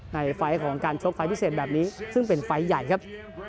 ไฟล์ของการชกไฟล์พิเศษแบบนี้ซึ่งเป็นไฟล์ใหญ่ครับ